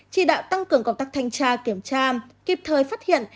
chỉ đạo tăng cường công tác thanh tra kiểm tra kịp thời phát hiện